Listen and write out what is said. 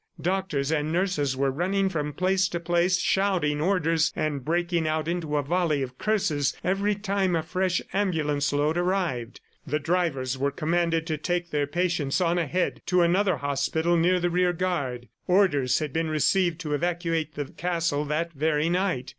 Doctors and nurses were running from place to place, shouting orders and breaking out into a volley of curses every time a fresh ambulance load arrived. The drivers were commanded to take their patients on ahead to another hospital near the rear guard. Orders had been received to evacuate the castle that very night.